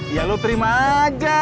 ya lu terima aja